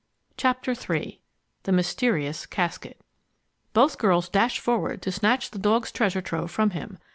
CHAPTER III THE MYSTERIOUS CASKET Both girls dashed forward to snatch the dog's treasure trove from him.